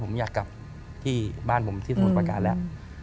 ผมอยากกลับที่บ้านผมที่สมุทรประการแล้ว